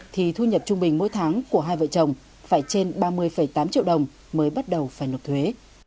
thì thu nhập trung bình mỗi tháng của hai vợ chồng phải trên ba mươi tám triệu đồng mới bắt đầu phải nộp thuế